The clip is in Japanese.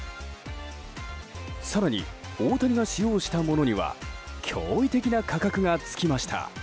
更に大谷が使用したものには驚異的な価格が付きました。